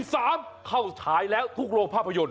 เกิดมาลุย๓เข้าถ่ายแล้วทุกโรคภาพยนตร์